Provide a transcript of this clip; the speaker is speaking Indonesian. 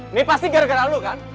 ini pasti gara gara lu kan